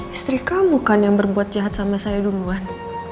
istri kamu bukan yang berbuat jahat sama saya duluan